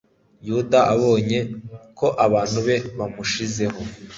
yuda abonye ko abantu be bamushizeho